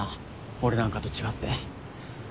俺なんかと違って。